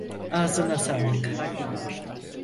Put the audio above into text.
Ağzına sağlık.